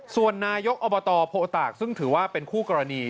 ส่วนนายกอบตโพตากซึ่งถือว่าเป็นคู่กรณี